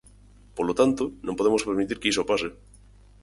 Polo tanto, non podemos permitir que iso pase.